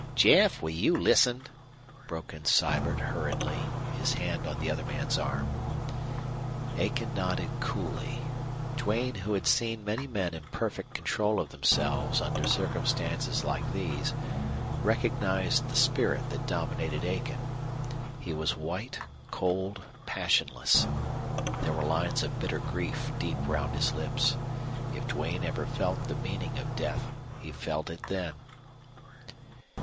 "Jeff, will you listen?" broke in Sibert, hurriedly, his hand on the other man's arm. Aiken nodded coolly. Duane, who had seen many men in perfect control of themselves under circumstances like these, recognized the spirit that dominated Aiken. He was white, cold, passionless. There were lines of bitter grief deep round his lips. If Duane ever felt the meaning of death he felt it then.